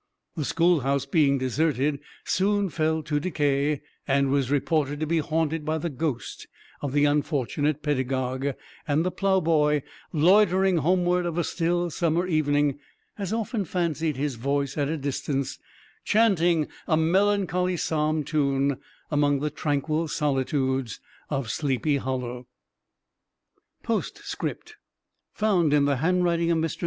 The schoolhouse being deserted, soon fell to decay, and was reported to be haunted by the ghost of the unfortunate pedagogue; and the plow boy, loitering homeward of a still summer evening, has often fancied his voice at a distance, chanting a melancholy psalm tune among the tranquil solitudes of Sleepy Hollow. POSTSCRIPT FOUND IN THE HANDWRITING OF MR.